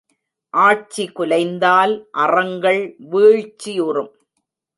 ஆட்சி குலைந்தால் அறங்கள் வீழ்ச்சியுறும்.